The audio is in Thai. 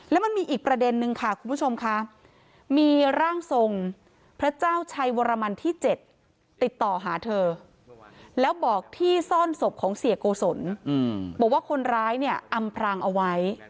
แล้วมันมีอีกประเด็นนึงค่ะคุณผู้ชมค่ะ